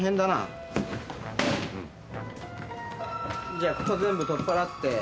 じゃあここ全部取っ払って。